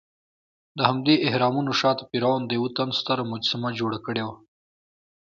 دهمدې اهرامونو شاته فرعون د یوه تن ستره مجسمه جوړه کړې وه.